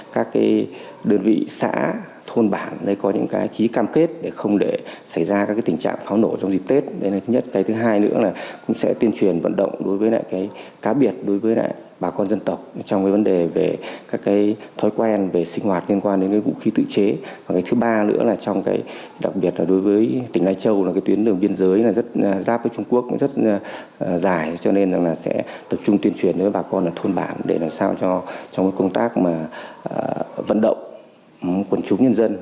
cho nên là sẽ tập trung tuyên truyền với bà con là thôn bản để làm sao cho công tác vận động quân chúng nhân dân